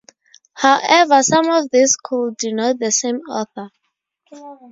However some of these could denote the same author.